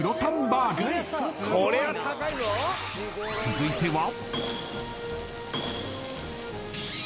［続いては］